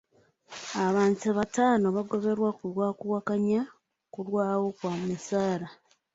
Abantu bataano baagobeddwa lwa kuwakanya kulwawo kwa misaala.